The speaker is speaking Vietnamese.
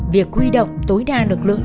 việc quy động tối đa lực lượng